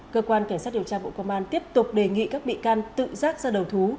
cơ quan cảnh sát điều tra bộ công an tiếp tục đề nghị các bị can tự rác ra đầu thú